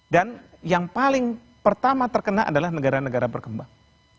dan yang paling pertama terkena adalah negara negara berkembang